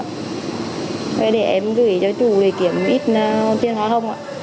thế để em gửi cho chủ để kiểm ít tiền hóa không ạ